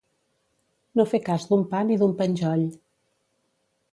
No fer cas d'un pa ni d'un penjoll.